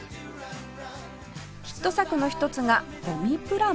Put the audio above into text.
ヒット作の一つがゴミプラモ